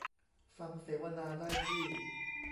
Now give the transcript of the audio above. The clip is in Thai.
ฟังเสวนาได้ที่